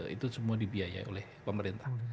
itu semua dibiayai oleh pemerintah